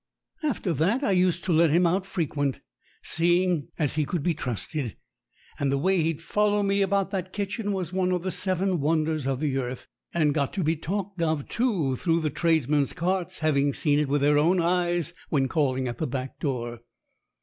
After that I used to let him out frequent, seeing as he could be trusted, and the way he'd follow me about that kitchen was one of the seven wonders of the earth, and got to be talked of, too, through the trades men's carts having seen it with their own eyes when calling at the back door.